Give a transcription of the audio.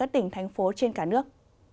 thành phố trên cả nước